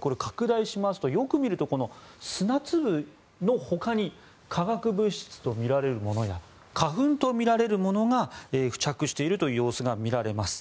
これ、拡大しますとよく見ると砂粒のほかに化学物質とみられるものや花粉とみられるものが付着しているという様子が見られます。